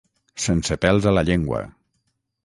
Sense pèls a la llengua.